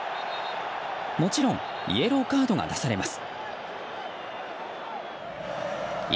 もちろんイエローカードが出されます。